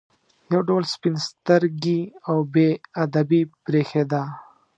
یو ډول سپین سترګي او بې ادبي برېښېده.